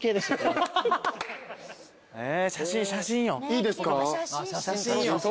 いいですか？